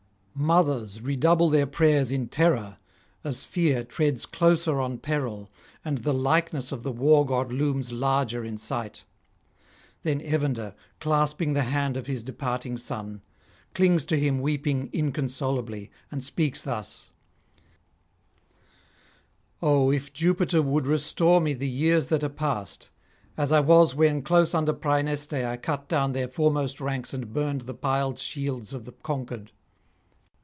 Mothers redouble their prayers in terror, as fear treads closer on peril and the likeness of the War God looms larger in sight. Then Evander, clasping the hand of his departing son, clings to him weeping inconsolably, and speaks thus: 'Oh, if Jupiter would restore me the years that are past, as I was when, close under Praeneste, I cut down their foremost ranks and burned the piled shields of the conquered!